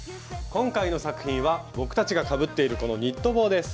今回の作品は僕たちがかぶっているこのニット帽です！